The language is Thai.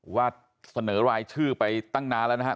ว่าเสนอรายชื่อไปตั้งนานแล้วนะครับ